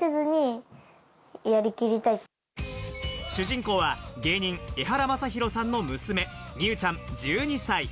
主人公は芸人・エハラマサヒロさんの娘・美羽ちゃん、１２歳。